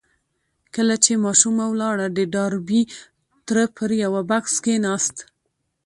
کله چې ماشومه ولاړه د ډاربي تره پر يوه بکس کېناست.